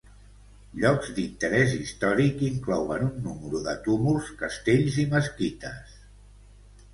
Llocs d'interès històric inclouen un número de túmuls, castells i mesquites.